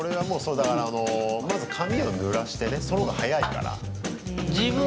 だから、まず髪をぬらしてねその方が早いから。